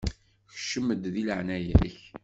Kcem-d di leɛnaya-k.